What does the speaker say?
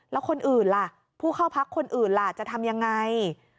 แล้วคนอื่นล่ะผู้เข้าพักคนอื่นล่ะจะทำยังไง